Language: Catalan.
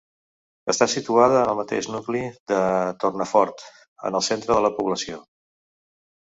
Està situada en el mateix nucli de Tornafort, en el centre de la població.